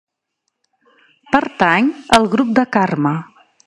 Pertany al grup de Carme.